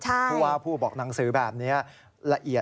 ผู้ว่าพูดบอกหนังสือแบบนี้